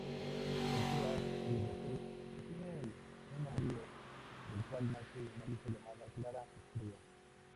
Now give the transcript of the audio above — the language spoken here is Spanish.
Persea y Rogel sostienen un amorío, del cual nace una hija llamada Clara Estrella.